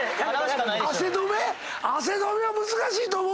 汗止め⁉汗止めは難しいと思うど。